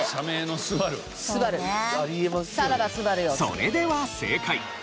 それでは正解。